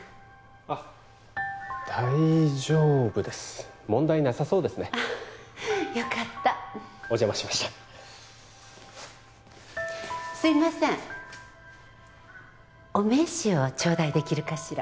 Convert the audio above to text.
あっ大丈夫です問題なさそうですねあっよかったお邪魔しましたすいませんお名刺を頂戴できるかしら？